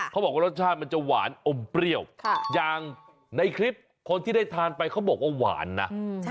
เขาบอกว่ารสชาติมันจะหวานอมเปรี้ยวอย่างในคลิปคนที่ได้ทานไปเขาบอกว่าหวานนะ